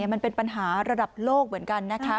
มันเป็นปัญหาระดับโลกเหมือนกันนะคะ